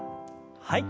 はい。